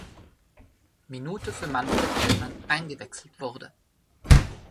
Minute für Manfred Hellmann eingewechselt wurde.